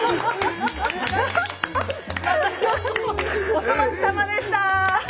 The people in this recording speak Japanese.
お粗末さまでした！